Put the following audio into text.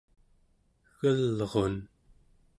egelrun